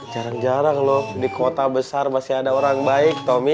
jarang jarang loh di kota besar masih ada orang baik tommy